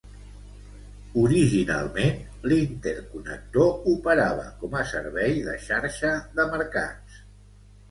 Originalment, l'inter-connector operava com a servei de xarxa de mercats.